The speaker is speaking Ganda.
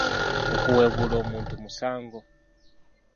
Okuwebuula omuntu musango.